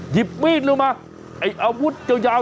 หยิบมีดลงมาไอ้อาวุธยาว